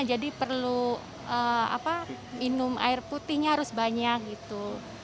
jadi perlu minum air putihnya harus banyak gitu